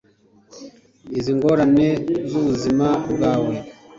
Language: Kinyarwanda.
izi ngorane z'ubuzima bwawe